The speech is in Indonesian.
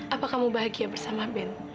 apa kamu bahagia bersama ben